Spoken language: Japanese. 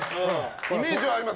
イメージはあります。